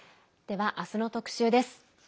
では、あすの特集です。